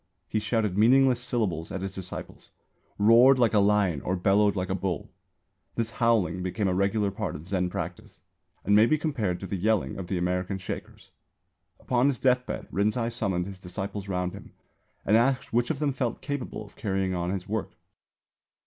He shouted meaningless syllables at his disciples; roared like a lion or bellowed like a bull. This "howling" became a regular part of Zen practice, and may be compared to the yelling of the American Shakers. Upon his deathbed Rinzai summoned his disciples round him and asked which of them felt capable of carrying on his work.